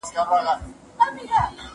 ايا ته د کتابتون د کار مرسته کوې!.